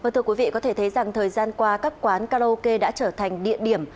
thưa quý vị có thể thấy rằng thời gian qua các quán karaoke đã trở thành địa điểm